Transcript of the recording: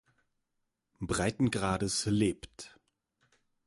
Breitengrades lebt.